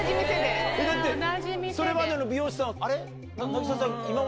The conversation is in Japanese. だってそれまでの美容師さんはあれ？